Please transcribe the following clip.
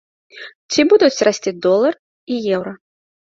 Ці будуць расці долар і еўра?